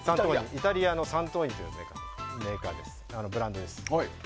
イタリアのサントーニというブランドです。